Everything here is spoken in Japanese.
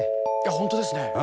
本当ですね。